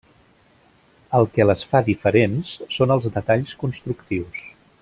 Els que les fa diferents són els detalls constructius.